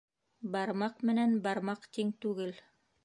Бармаҡ менән бармаҡ тиң түгел